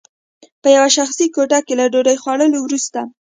په یوه شخصي کوټه کې له ډوډۍ خوړلو وروسته